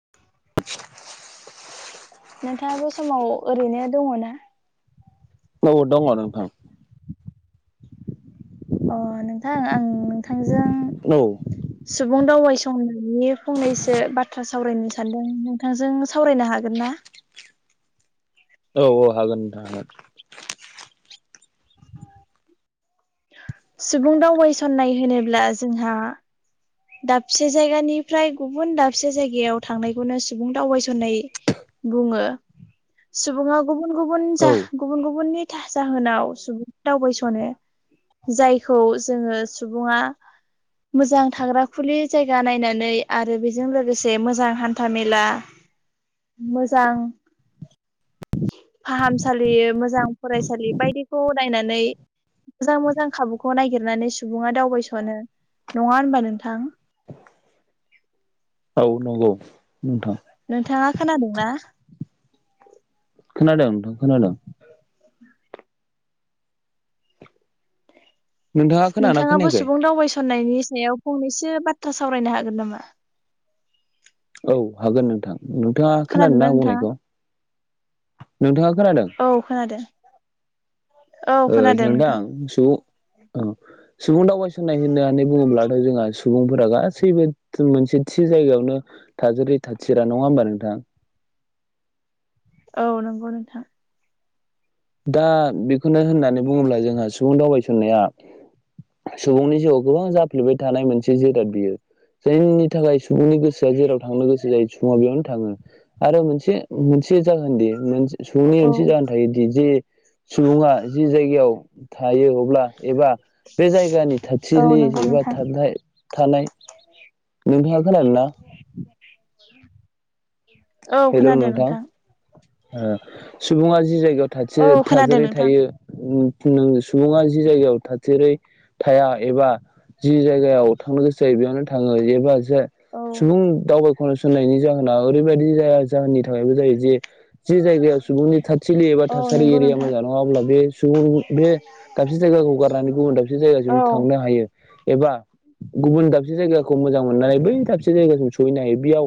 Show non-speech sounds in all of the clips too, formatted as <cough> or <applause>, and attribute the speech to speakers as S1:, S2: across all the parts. S1: <inaudible>
S2: नोंथाङा बे समाव ओरैनो दङ ना?
S1: औ दङ नोंथां
S2: अ नोंथां आं नोंथांजों
S1: औ
S2: सुबुं दावबायसंनायनि फंनैसो बाथ्रा सावरायनो सानदों नोंथांजों सावरायनो हागोन ना? ना?
S1: औ औ हागोन नोंथां हागोन।
S2: सुबुं दावबायसननाय होनोब्ला जोंहा दाबसे जायगानिफ्राय गुबुन दाबसे जायगायाव थांनायखौनो सुबुं दावबायस'नाय बुङो सुबुङा गुबुन गुबुन जा
S1: औ
S2: गुबुन गुबुननि था जाहोनाव सुबुंफ्रा दावबायस'नो जायखौ जोङो सुबुङा मोजां थाग्रा खुलि जायगा नायनानै आरो बेजों लोगोसे मोजां हान्था मेला मोजां फाहामसालि मोजां फरायसालि बायदिखौ नायनानै मोजां मोजां खाबुखौ नागिरनानै सुबुङा दावबायस'नो नङा होनबा नोंथ थां
S1: औ नंगौ नोंथां।
S2: नोंथाङा खोनादोंना?
S1: खोनादों नोंथां खोनादों। नोंथाङा खोनादोंना
S2: नोंथाङाबो
S1: खोनायाखै
S2: सुबुं दावबायसननायनि सायाव फंनैसो बाथ्रा सावरायनो हागोन नामा?
S1: औ हागोन नोंथां। नोंथाङा खोनादोंना आं बुंनायखौ? नोंथाङा खोनादों?
S2: औ खोनादों औ
S1: ओ
S2: खोनादों
S1: नोंथां सुबुं ओ सुबुं दावबायसनाय होना नानै बुङोब्लाथ' जोंहा सुबुंफोरा गासैबो मोनसे थि जायगायावनो थाजेरै थाथिरा नङा होमबा नोंथां?
S2: औ नंगौ नोंथां।
S1: दा बेखौनो होननानै बुङोब्ला जोंहा सुबुं दावबायसननाया सुबुंनि जिउआव गोबां जाफ्लेबाय थानाय मोनसे जिराद बियो जायनि थाखाय सुबुंनि गोसोआ जेराव थांनो गोसो जायो सुबुङा बेयावनो थाङो आरो मोनसे अ' मोनसे जाहोनदि सुबुंनि
S2: औ
S1: मोनसे जाहोन थायोदि जि सुबुङा जि जायगायाव थायो अब्ला एबा बे जायगानि
S2: औ
S1: थाथिलि
S2: नंगौ
S1: एबा
S2: नोंथां
S1: थाना थानाय नोंथाङा खोनादों ना
S2: औ खोनादों नोंथां।
S1: ओ सुबुङा जि जायगायाव
S2: औ
S1: थाथि
S2: खोनादों
S1: थाजोरै
S2: नोंथां
S1: थायो ओ सुबुङा जि जायगायाव थाथेरै थाया एबा जि जायगायाव थांनो गोसो जायो बेयावनो थाङो एबा जे
S2: औ
S1: सुबुं दावबायखनसनायनि जाहोना ओरैबायदि जाहोननि थाखायबो जायो जे जि जायगायाव सुबुंनि थाथिलि एबा
S2: औ
S1: थासारि
S2: नंगौ
S1: एरिया
S2: नोंथां
S1: मोजां नङा अब्ला बे सुबुं बे दाबसे जायगाखौ गारनानै गुबुन दाबसे
S2: औ
S1: जायगासिम थांनो हायो। एबा गुबुन दाबसे जायगाखौ मोजां मोननानै बै दाबसे जायगासिम स'हैनो हायो बेयाव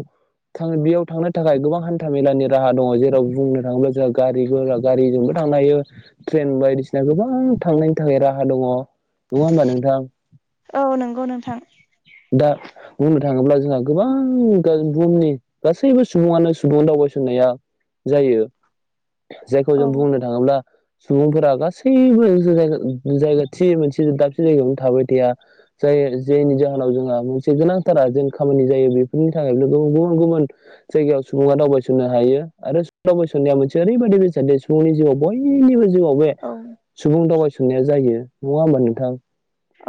S1: था बेयाव थांनाय थाखाय गोबां हान्था मेलानि राहा दङ जेराव बुंनो थाङोब्ला जोंहा गारि गारिजोंबो थांनो हायो। ट्रेन बायदिसिना गोबां थांनायनि थाखाय राहा दङ। होमबा नोंथां
S2: औ नंगौ नोंथां।
S1: दा बुंनो थाङोब्ला जोंहा गोबां बुहुमनि गासैबो सुबुङानो सुबुं दावबायसननाया जायो जायखौ जों
S2: औ
S1: बुंनो थाङोब्ला सुबुंफोरा गासैबो जायगा थि मोनसे दाबसे जायगायावनो थाबाय थाया जाय जायनि जाहोनाव जोंहा मोनसे गोनांथारा जों खामानि जायो बेफोरनि थाखाय गुबुन गुबुन जायगायाव सुबुङा दावबायस'नो हायो आरो सुबुं दावबायस'नाया मोनसे ओरैबायदि बेसाददि सुबुंनि जिउआव बयनिबो जिउआव बे
S2: औ
S1: सुबुं दावबायसनाया जायो नङा होमबा नोंथां?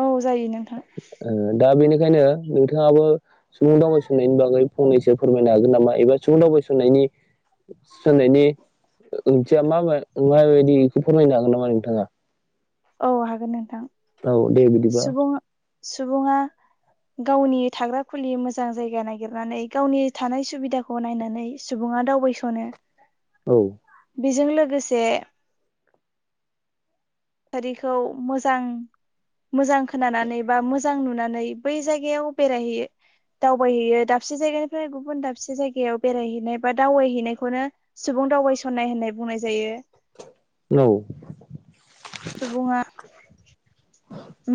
S2: औ जायो नोंथां ‌।
S1: बेखायनो नोंथाङाबो सुबुं दावबायसननायनि बागै फंनैसो फोरमायनो हागोन नामा एबा सुबुं दावबायसननायनि सनायनि ओंथिया मा माबायदि बेखौ फोरमायनो हागोन नामा नोंथाङा?
S2: औ हागोन नोंथां।
S1: औ दे बिदिबा ‌।
S2: सुबुं सुबुङा गावनि थाग्रा खुलि मोजां जायगा नागिरनानै गावनि थानाय सुबिदाखौ नायनानै सुबुं नङा दावबायस'नो।
S1: औ।
S2: बेजों लोगोसे थासारिखौ मोजां मोजां खोनानानै बा मोजां नुनानै बै जायगायाव बेरायहैयो दावबायहैयो दाबसे जायगानिफ्राय गुबुन दाबसे जायगायाव बेरायहैनाय बा दावबायहैनायखौनो सुबुं सुबुं दावबायसननाय होननाय बुंनाय जायो
S1: औ
S2: सुबुंङा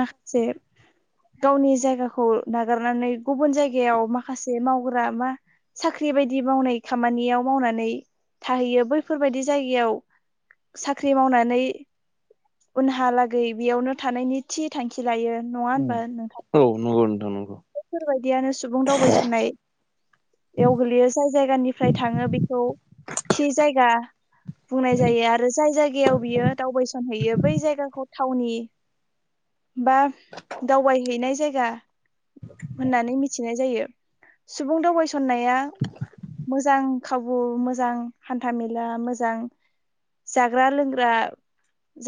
S2: माखासे गावनि जायगाखौ नागारनानै गुबुन जायगायाव माखासे मावग्रा मा साख्रि बायदि मावनाय खामानियाव मावनानै थाहैयो बैफोरबायदि जायगायाव साख्रि मावनानै उनहालागै बेयावनो थानायनि थि थांखि लायो नङा होनबा नोंथां?
S1: औ नंगौ नोंथां नंगौ।
S2: बेफोरबायदियानो सुबुं दावबायसननाय बेयाव गोलैयो जाय जायगानिफ्राय थाङो बेखौ थि जायगा बुंनाय जायो आरो जाय जायगायाव बियो दावबायसन हैैयो बै जायगाखौ थावनि बा दावबायहैनाय जायगा होननानै मिथिनाय जायो सुबुं दावबायसननाया मोजां खाबु मोजां हान्था मेला मोजां जाग्रा लोंग्रा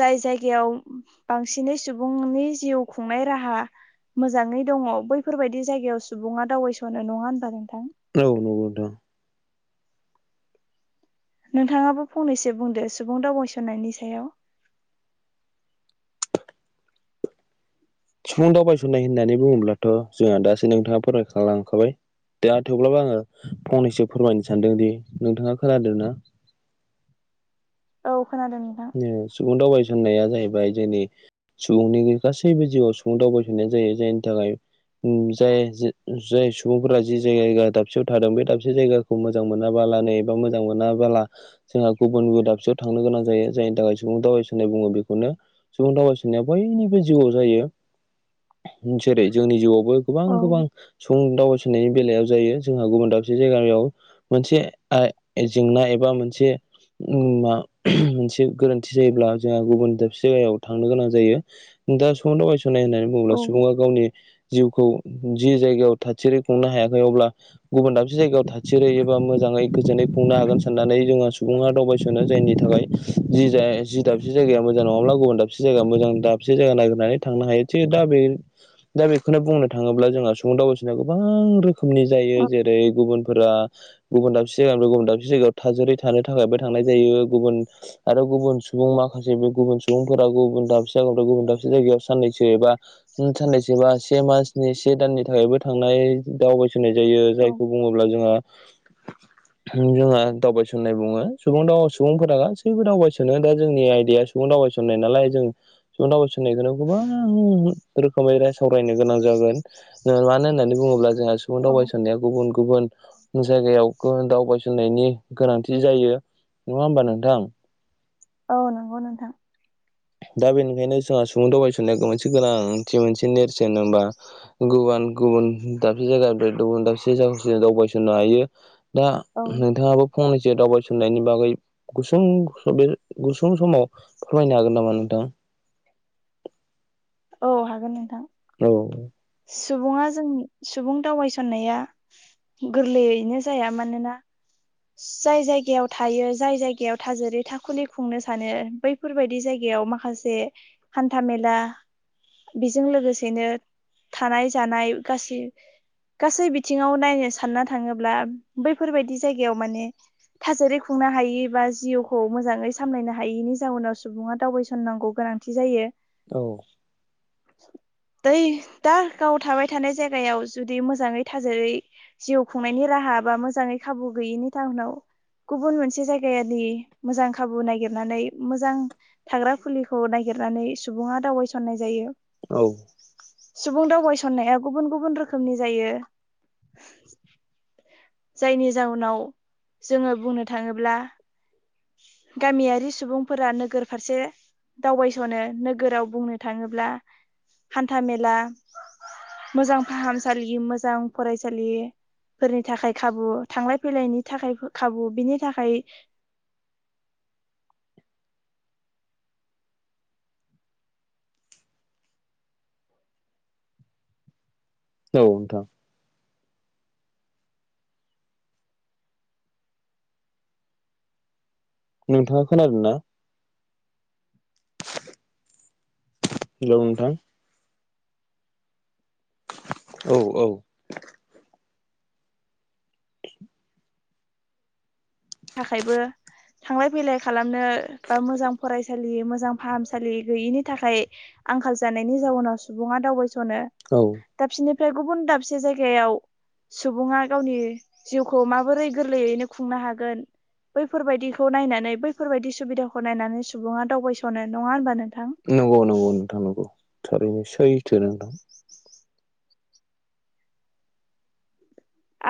S2: जाय जायगायाव बांसिनै सुबुंनि जिउ खुंनाय राहा मोजाङै दङ बैफोरबायदि जायगायाव सुबुङा दावबायसनो नङा होनबा नोंथां?
S1: औ नंगौ दा
S2: नोंथाङाबो फंनैसो बुंदो सुबुं दावबायसननायनि सायाव
S1: सुबुं दावबायसनाय होननानै बुङोब्लाथ जोंहा दासो नोंथाङा फरायखांलांखाबाय दा थेवब्लाबो आङो फंनैसो फोरमायनो सानदों दि नोंथाङा खोनादों ना?
S2: औ खोनादों नोंथां
S1: ओ सुबुं दावबायसननाया जाहैबाय जोंनि सुबुंनि गासैबो जिउआव सुबुं दावबायसननाया जायो जायनि थाखाय जाय जाय सुबुंफोरा जि जायगा दाबसेयाव थादों बे दाबसे जायगाखौ मोजां मोनाबा बालानो एबा मोजां मोनाबाला जोंहा गुबुन दाबसेयाव थांनो गोनां जायो जायनि थाखाय सुबुं दावबायसनाय बुङो बेखौनो सुबुं दावबायसनाया बयनिबो जिउआव जायो जेरै जोंनि जिउआवबो गोबां
S2: औ
S1: गोबां सुबुं दावबाय नायनि बेलायाव जायो जोंहा गुबुन दाबसे जायगायाव मोनसे आ जेंना एबा मोनसे मा मोनसे गोरोन्थि जायोब्ला जोंहा गुबुन दाबसे जायगायाव थांनो गोनां जायो दा सुबुं दावबायसन नाय होननानै बुङोब्ला
S2: औ
S1: सुबुङा गावनि जिउखौ जि जायगायाव थाथिरै खुंनो हायाखै अब्ला गुबुन दाब से जायगायाव थाथेरै एबा मोजाङै गोजोनै खुंनो हागोन साननानै जोंहा सुबुङा दावबायसनो जायनि थाखाय जि जि दाबसे जायगाया मोजां नङाब्ला गुबुन दाबसे जायगाया मोजां दाबसे जाया नाययगरनानै थांनो हायो थिग दा दा बेखौनो बुंनो थाङोब्ला जोंहा सुबुं दावबायसननाया गोबां रोखोम रोखोमनि जायो
S2: औ
S1: जेरै गुबुनफोरा गुबुन दाबसे जायगाफोराव गुबुन दाबसे जायगायाव थाजारै थानो थाखायबो थांनाय जायो गुबुन आरो गुबुन सुबुं माखासे बे गुबुन सुबुंफोरा गुबुन दाबसे जायगानिफ्राय गुबुन दाबसे जायगायाव साननैसो एबा साननैसो बा से मासनि से दाननि थाखायबो थांनाय दावबाय सनाय जायो
S2: औ
S1: जायखौ बुङोब्ला जोंहा जोंहा दावबायसननाय बुङो सुबुं दावबाय सुबुंफोरा गासैबो दावबायसनो दा जोंनि आयदाया सुबुं दावबायसननाय नालाय जों दावबायस गोबां रोखोमै राय सावरायनो गोनां जागोन मानो होननानै बुङोब्ला जोंहा सुबुं
S2: औ
S1: दावबायसनाया गुबुन गुबुन जायगायाव दावबायसननायनि गोनांथि जायो नङा होमबा नोंथां?
S2: औ नंगौ नोंथां
S1: दा बेनिखायनो जोंहा सुबुं दावबायसननाय मोनसे गोनांथि मोनसे नेरसोन होनबा गुबुन गुबुन दाबसे जायगानिफ्राय गुबुन दाबसे जसे दावबायसनो हायो दा
S2: औ
S1: नोंथाङाबो फंनैस दावबायसनायनि बागै गुसुं बे गुसुं समाव फोरमायनो हागोन नामा नोंथां।
S2: औ हागोन नोंथां।
S1: औ
S2: सुबुङा जोंनि सुबुं दावबायसननाया गोरलैयैनो जाया मानोना जाय जायगायाव थायो जाय जायगायाव थाजेरै थाखुलि खुंनो सानो बैफोरबायदि जायगा याव माखासे हान्था मेला बेजों लोगोसेनो थानाय जानाय गासै गासै बिथिङाव नायनो सानना थाङोब्ला बैफोरबायदि जाय गायाव माने थासारि खुंनो हायि बा जिउखौ मोजाङै सामलायनो हायिनि जाउनाव सुबुङा दावबायसननांगौ गोनांथि जायो।
S1: औ
S2: दै दा गाव थाबाय थानाय जायगायाव जुदि मोजाङै थाजिरै जिउ खुंनायनि राहा बा मोजाङै खाबु गैयिनि जाहनाव गुबुन मोनसे जायगायानि मोजां खाबु नागिरनानै मोजां थाग्रा फुलिखौ नागिर नानै सुबुङा दावबायसननाय जायो।
S1: औ
S2: सुबुं दावबायसननाया गुबुन-गुबुन रोखोमनि जायो जायनि जााहनाव जोङो बुंनो थाङोब्ला गामियारि सुबुंफोरा नोगोर फारसे दावबायस'नो नोगोराव बुंनो थाङोब्ला हान्था मेला मोजां फाहामसालि मोजां फरायसालिफोरनि थाखाय खाबु थांलाय फैलायनि थाखाय खाबु बिनि थाखाय
S1: औ नोंथां। नोंथाङा खोनादों ना? हेलोव नोंथां औ औ
S2: थाखायबो थांलाय फैलाय खालामनो बा मोजां फरायसालि मोजां फाहामसालि गैयिनि थाखाय आंखाल जानायनि जाउनाव सुबुङा दावबायसनो
S1: औ
S2: दा बिनि फ्राय गुबुन दाबसे जायगायाव सुबुङा गावनि जिउखौ माबोरै गोरलैयैनो खुंनो हागोन बैफोरबायदिखौ नायनानै बैफोरबायदि सुबिदाखौ नायनानै सुबुङा दावबायस'नो नङा होनबा नों
S1: नंगौ नंगौ नोंथां नंगौ थारैनो सैथो नोंथां।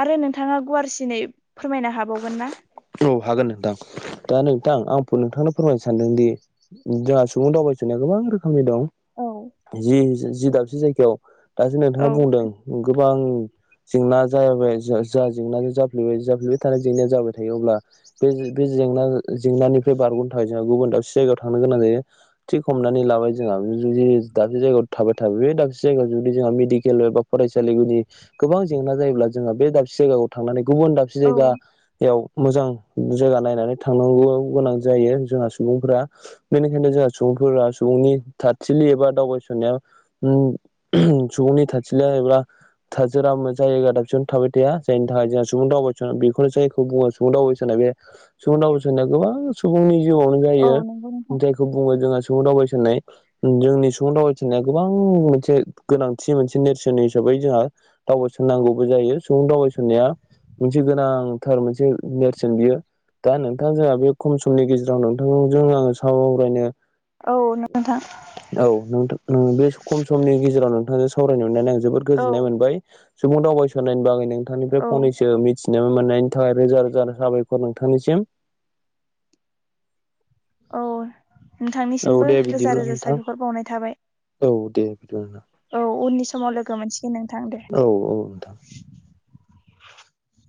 S2: आरो नोंथाङा गुवारसिनै फोरमायनो हाबावगोन ना?
S1: थां दा नोंथां आं नोंथांनो फोरमायनो सानदों दि जोंहा सुबुं दावबायस'नाया गोबां रो खमनि दं
S2: औ
S1: जि जि दाबसे जायगायाव दासो नोंथाङा
S2: औ
S1: बुंदों गोबां जेंना जायाब जा जेंना जाफ्लबाय जाफबाय थानाय जेंनाया जाबाय थायो अब्ला बे जेंना जेंनानिफ्राय बारग'नो थाखाय जोंहा गुबुन दाबसे जायगायाव थांनो गोनां जायो थिख हमनानै लाबाय जोंहाबो जुदि दाबसे जायगायाव थाबाय थाबाय बे दाबसे जायगायाव जुदि जों मेडिकेल एबा फरायसालिनि गोबां जेंना जायोब्ला जोंहा बे दाबसे जायगाखौ थांनानै गुबुन दाबसे
S2: औ
S1: जायगा आव मोजां जायगा नायनानै थांनांगौ गोनां जायो जोंहा सुबुंफोरा बेनिखायनो जों सुबुंफोरा सुबुंनि थाथिलि एबा दावबायसनाया अ अहम सुबुंनि थाथिलिया <unintelligible> थाजोरा जायगा दाबसे थाबाय थाया जायनि थाखाय जोंहा सुबुं दावबाय <unintelligible> जायखौ बुङो सुबुं दावबायैसनाय बे सुबुं दावैसनाया गोबां सुबुंनि जिउआवनो
S2: औ
S1: जायो
S2: नंगौ नोंथां
S1: जायखौ बुङो जों सुबुं दावबायसननाय जोंनि सुबुं दावबायनाया गोबां मोनसे गोनांथि मोनसे नेरसोन हिसाबै जोंहा दावबा सनननांगौबो जायो सुबुं दावबायसननाया मोनसे गोनां। थार मोनसे नेरसोन बियो। दा नोंथां जोंहा बे खम समनि गेजेराव नोंथांजों आंङो सारायनो।
S2: औ नोंथां
S1: औ नोंथा-बे खम समनि गेजेराव नोंथां सावरायनो मोननानै आं जोबोद
S2: औ
S1: गोजोन्नाय मोनबाय। सुबुं दावबायस'नायनि बागै नोंथांनिफ्राय
S2: औ
S1: फंनैसो मिथिनो मोनाइनि, थाखाय रोजा रोजा साबायखर नोंथांनिसिम।
S2: औ
S1: औ
S2: नोंथांनिसिमबो
S1: दे
S2: रोजा
S1: बिदिब्ला
S2: रोजा
S1: नोंथां
S2: साबय‌खर बावनाय थाबाय।
S1: औ दे बिदिबा नोंथां।
S2: औ उननि समाव लोगो मोनसिगोन नोंथां दे।
S1: औ औ नोंथां
S2: <inaudible>